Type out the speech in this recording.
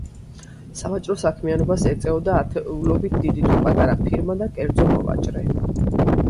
სავაჭრო საქმიანობას ეწეოდა ათეულობით დიდი თუ პატარა ფირმა და კერძო მოვაჭრე.